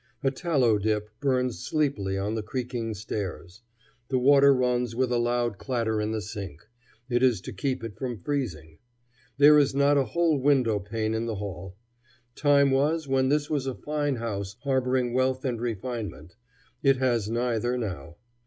A tallow dip burns sleepily on the creaking stairs. The water runs with a loud clatter in the sink: it is to keep it from freezing. There is not a whole window pane in the hall. Time was when this was a fine house harboring wealth and refinement. It has neither now.